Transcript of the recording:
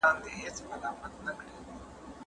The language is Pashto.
جرګه د هېواد د روښانه راتلونکي لپاره یو ډاډمن اساس دی.